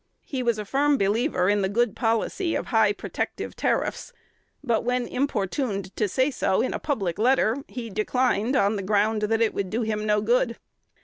He was a firm believer in the good policy of high "protective tariffs;" but, when importuned to say so in a public letter, he declined on the ground that it would do him no good.